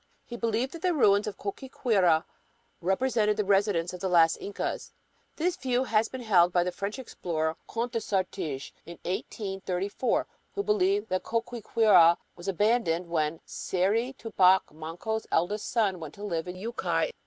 He believed that the ruins of Choqquequirau represented the residence of the last Incas. This view had been held by the French explorer, Count de Sartiges, in 1834, who believed that Choqquequirau was abandoned when Sayri Tupac, Manco's oldest son, went to live in Yucay.